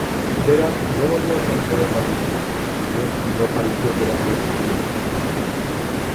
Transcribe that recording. Vera no volvería a contraer matrimonio, si bien no pareció quedar muy afligida.